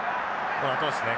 このあとですね。